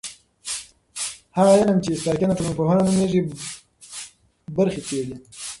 هغه علم چې ساکنه ټولنپوهنه نومیږي برخې څېړي.